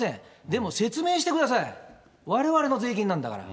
でも、説明してください、われわれの税金なんだから。